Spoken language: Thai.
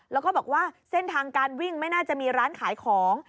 แล้วก็บอกว่าเส้นทางการวิ่งไม่น่าจะมีร้านขายของ